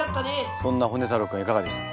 そんなホネ太郎君はいかがでしたか？